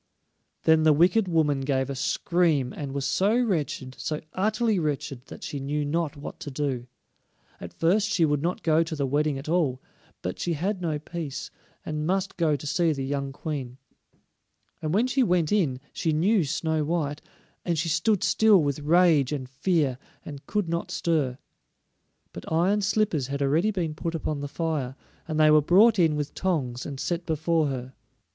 Then the wicked woman gave a scream, and was so wretched, so utterly wretched, that she knew not what to do. At first she would not go to the wedding at all, but she had no peace, and must go to see the young Queen. And when she went in she knew Snow white; and she stood still with rage and fear, and could not stir. But iron slippers had already been put upon the fire, and they were brought in with tongs, and set before her.